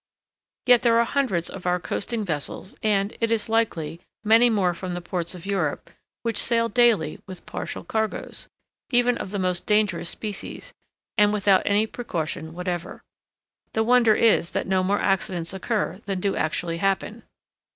Yet there are hundreds of our coasting vessels, and, it is likely, many more from the ports of Europe, which sail daily with partial cargoes, even of the most dangerous species, and without any precaution whatever. The wonder is that no more accidents occur than do actually happen.